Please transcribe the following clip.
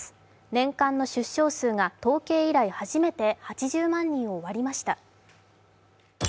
年間の出生数が統計以来初めて８０万人を割りました。